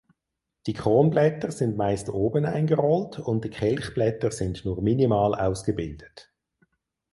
Die Kronblätter sind meist oben eingerollt und die Kelchblätter sind nur minimal ausgebildet.